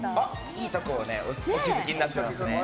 いいところにお気づきになってますね。